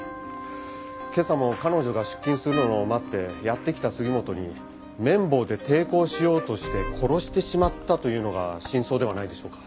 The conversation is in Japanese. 今朝も彼女が出勤するのを待ってやって来た杉本に麺棒で抵抗しようとして殺してしまったというのが真相ではないでしょうか？